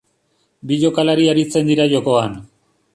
Bi jokalari aritzen dira jokoan.